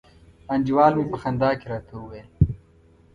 انډیوال می په خندا کي راته وویل